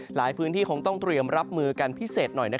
หลายพื้นที่คงต้องเตรียมรับมือกันพิเศษหน่อย